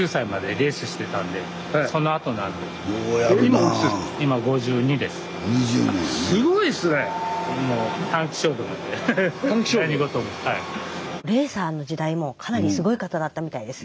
レーサーの時代もかなりすごい方だったみたいです。